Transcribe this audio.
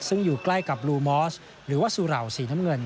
ซึ่งอยู่ใกล้กับลูมอสหรือว่าสุเหล่าสีน้ำเงิน